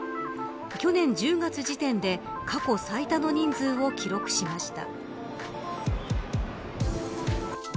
去年１０月時点で過去最多の人数を記録しました。